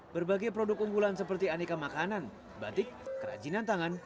berbagai produk unggulan seperti aneka makanan batik kerajinan tangan